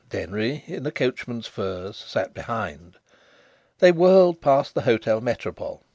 Denry, in a coachman's furs, sat behind. They whirled past the Hôtel Métropole.